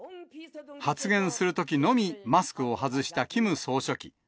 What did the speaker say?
発言するときのみ、マスクを外したキム総書記。